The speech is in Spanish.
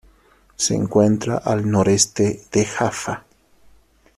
Se encuentra al noreste de Jaffa.